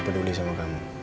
peduli sama kamu